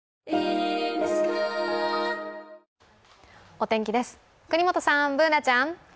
お天気です、國本さん、Ｂｏｏｎａちゃん。